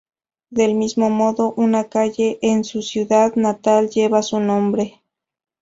Del mismo modo, una calle en su ciudad natal lleva su nombre.